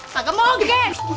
saga mau geng